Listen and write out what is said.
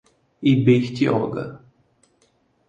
Ibertioga